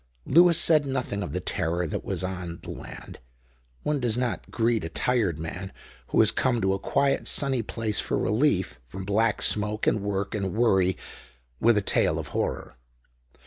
Lewis said nothing of the terror that was on the land. One does not greet a tired man who is come to a quiet, sunny place for relief from black smoke and work and worry with a tale of horror.